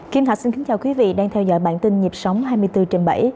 kim thạch xin kính chào quý vị đang theo dõi bản tin nhịp sống hai mươi bốn trên bảy